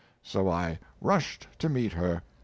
so I rushed to meet her.